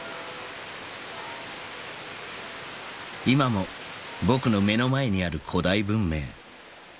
今も僕の目の前にある古代文明。